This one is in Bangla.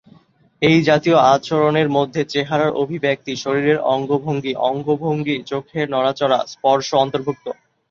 এই জাতীয় আচরণের মধ্যে চেহারার অভিব্যক্তি, শরীরের অঙ্গভঙ্গি, অঙ্গভঙ্গি, চোখের নড়াচড়া, স্পর্শ অন্তর্ভুক্ত।